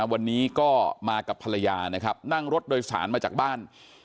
วันนี้ก็มากับภรรยานะครับนั่งรถโดยสารมาจากบ้าน